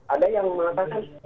ada yang mengatakan